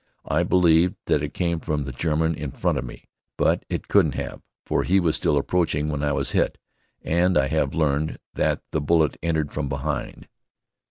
I believed that it came from the German in front of me. But it couldn't have, for he was still approaching when I was hit, and I have learned here that the bullet entered from behind.